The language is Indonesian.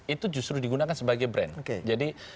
itu justru digunakan sebagai brand jadi